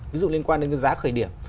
ví dụ liên quan đến giá khởi điểm